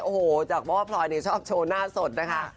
โอ้โหจากเพราะว่าพลอยเนี่ยชอบโชว์หน้าสดนะคะ